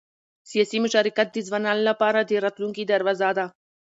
سیاسي مشارکت د ځوانانو لپاره د راتلونکي دروازه ده